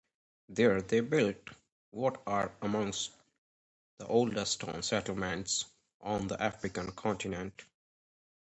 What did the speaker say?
There, they built what are among the oldest stone settlements on the African continent.